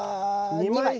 ２枚。